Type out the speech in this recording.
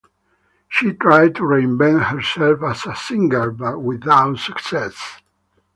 She tried to reinvent herself as a singer, but without success.